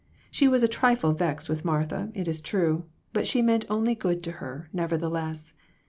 She was a trifle vexed with Martha, it is true, but she meant only good to her, nevertheless.